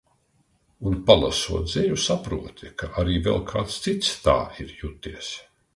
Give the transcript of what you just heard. Un, palasot dzeju, saproti, ka arī vēl kāds cits tā ir juties.